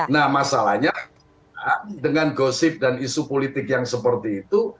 nah masalahnya dengan gosip dan isu politik yang seperti itu